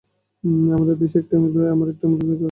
আমাদের একটা অ্যাম্বুলেন্স দরকার।